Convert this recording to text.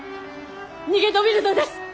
逃げ延びるのです。